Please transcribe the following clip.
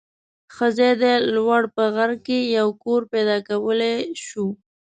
ښه ځای دی. لوړ په غر کې یو کور پیدا کولای شو.